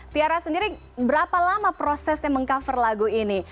tiara sendiri berapa lama prosesnya meng cover lagu ini